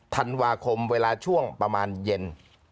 ธันวาคมเวลาช่วงประมาณเย็น